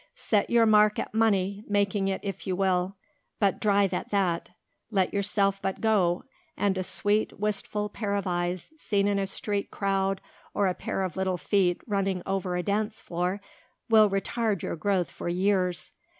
Set your mark at money making if you will, but drive at that. Let yourself but go and a sweet wistful pair of eyes seen in a street crowd or a pair of little feet running over a dance floor will retard your growth for years.